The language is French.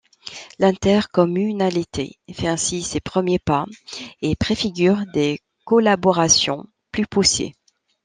L'intercommunalité fait ainsi ses premiers pas et préfigure des collaborations plus poussées.